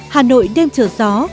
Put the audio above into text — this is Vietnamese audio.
hà nội đêm trở gió